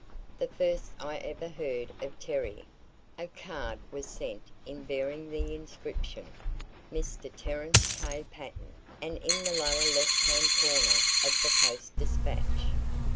The first I ever heard of Terry, a card was sent in bearing the inscription, "Mr. Terence K. Patten," and in the lower left hand corner, "of the Post Dispatch."